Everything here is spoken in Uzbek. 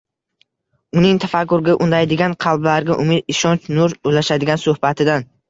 Uning tafakkurga undaydigan, qalblarga umid, ishonch, nur ulashadigan suhbatidan